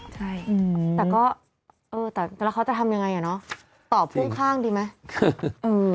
ใช่แต่ก็เออแต่แล้วเขาจะทำยังไงอ่ะเนอะต่อพ่วงข้างดีไหม